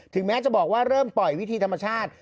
แม้จะบอกว่าเริ่มปล่อยวิธีธรรมชาติ